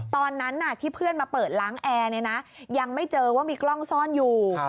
ตอนนั้นที่เพื่อนมาเปิดล้างแอร์ยังไม่เจอว่ามีกล้องซ่อนอยู่